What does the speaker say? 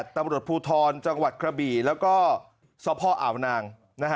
ตำรวจภูทรจังหวัดกระบี่แล้วก็สพอ่าวนาง